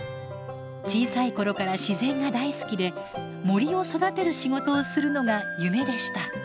小さい頃から自然が大好きで森を育てる仕事をするのが夢でした。